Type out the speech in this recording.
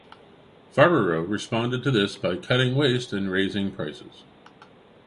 Farberow responded to this by cutting waste and raising prices.